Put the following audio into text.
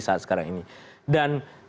saat sekarang ini dan